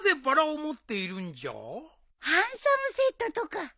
ハンサムセットとか？